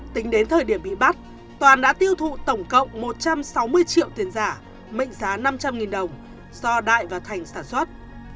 tính đến thời điểm bị bắt toàn đã tiêu thụ tổng cộng một trăm sáu mươi triệu tiền giả mệnh giá năm trăm linh đồng do đại và thành sản xuất